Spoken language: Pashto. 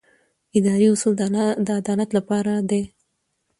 اداري اصول د عدالت لپاره دي.